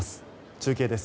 中継です。